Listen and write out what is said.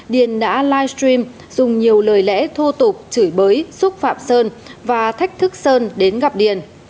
điền đã livestream dùng nhiều lời lẽ thô tục chửi bới xúc phạm sơn và thách thức sơn đến gặp điền